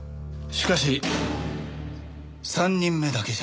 しかし３人目だけじゃない。